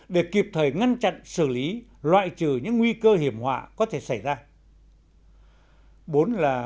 để kịp thời ngăn chặn xử lý loại trừ những nguy cơ hiệu quả